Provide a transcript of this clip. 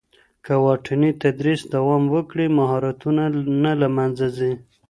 که واټني تدریس دوام وکړي، مهارتونه نه له منځه ځي.